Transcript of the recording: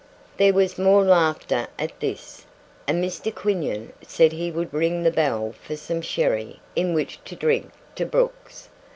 There was more laughter at this, and Mr. Quinion said he would ring the bell for some sherry in which to drink to Brooks.